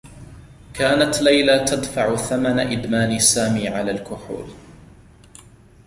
كانت ليلى تدفع ثمن إدمان سامي على الكحول.